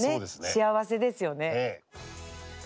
幸せですよね。